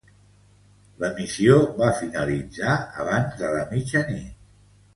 L'emissió va finalitzar abans de la mitjanit.